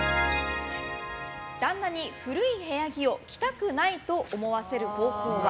旦那に古い部屋着を着たくないと思わせる方法は？